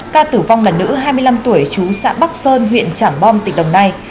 ca tử vong là nữ hai mươi năm tuổi chú xã bắc sơn huyện trảng bom tỉnh đồng nai